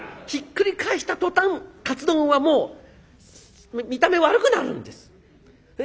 ひっくり返した途端カツ丼はもう見た目悪くなるんです！